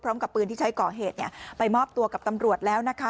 พร้อมกับปืนที่ใช้ก่อเหตุไปมอบตัวกับตำรวจแล้วนะคะ